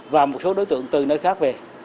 và một số đối tượng từ nơi khác về